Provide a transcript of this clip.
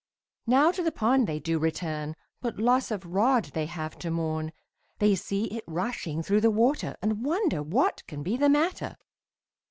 Now to the pond they do return, But loss of rod they have to mourn, They see it rushing through the water, And wonder what can be the matter.